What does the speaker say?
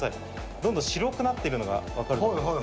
どんどん白くなっているのが分かると思うんですね。